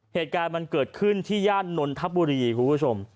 เหตุการณ์มันเกิดขึ้นที่ย่านนทบุรีคุณผู้ชม